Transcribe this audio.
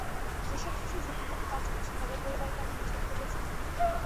যেসব শিশু ঝুঁকিপূর্ণ কাজ করছে, তাদের পরিবারকে আমরা নিষেধ করলেও শুনবে না।